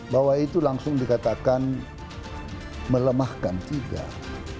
bahwa itu langsung dikatakan melemahkan tidak